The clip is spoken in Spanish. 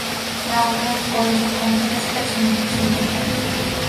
La obra cuenta con tres personajes en total.